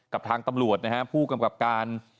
กับทางตำรวจนะฮะผู้กำกับการ